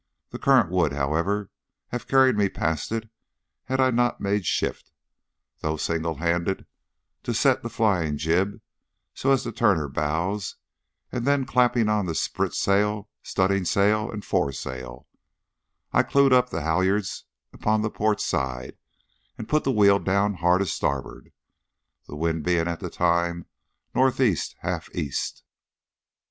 The current would, however, have carried me past it had I not made shift, though single handed, to set the flying jib so as to turn her bows, and then clapping on the sprit sail, studding sail, and fore sail, I clewed up the halliards upon the port side, and put the wheel down hard a starboard, the wind being at the time north east half east."